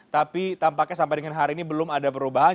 tapi tampaknya sampai dengan hari ini belum ada perubahan